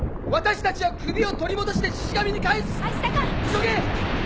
急げ！